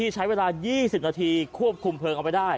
ใช้เวลา๒๐นาทีควบคุมเพลิงเอาไว้ได้